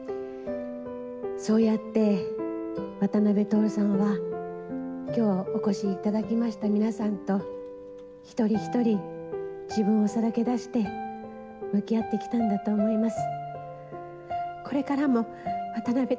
そうやって、渡辺徹さんは、きょうお越しいただきました皆さんと、一人一人自分をさらけ出して、向き合ってきたんだと思います。